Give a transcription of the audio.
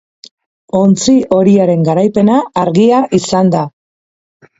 Ontzi horiaren garaipena argia izan da.